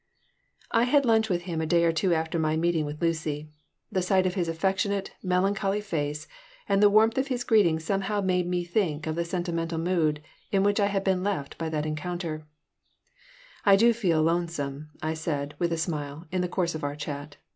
I had lunch with him a day or two after my meeting with Lucy. The sight of his affectionate, melancholy face and the warmth of his greeting somehow made me think of the sentimental mood in which I had been left by that encounter "I do feel lonesome," I said, with a smile, in the course of our chat.